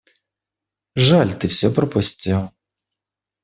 Жаль, ты всё пропустил.